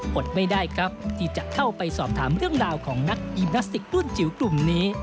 อดไม่ได้ครับที่จะเข้าไปสอบถามเรื่องราวของนักยิมพลาสติกรุ่นจิ๋วกลุ่มนี้